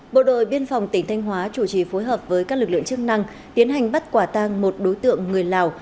bộ đội biên phòng tỉnh thanh hóa chủ trì phối hợp với các lực lượng chức năng tiến hành bắt quả tang một đối tượng người lào